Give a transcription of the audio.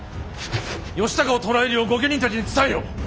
義高を捕らえるよう御家人たちに伝えよ。